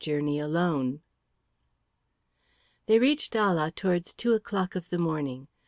CHAPTER XVIII They reached Ala towards two o'clock of the morning.